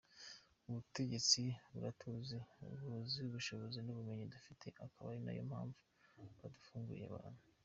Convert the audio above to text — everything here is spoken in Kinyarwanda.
Ubutegetsi buratuzi, buzi ubushobozi, n’ubumenyi dufite akaba ari nayo mpamvu badufungira abantu.